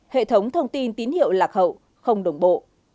hệ thống thông tin tín hiệu lạc hậu không đồng bộ